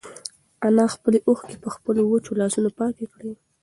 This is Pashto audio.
انا خپلې اوښکې په خپلو وچو لاسونو پاکې کړې.